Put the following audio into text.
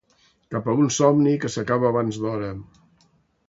Cap a un somni que s'acaba abans d'hora.